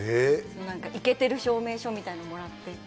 なんかいけてる証明書みたいなのをもらって。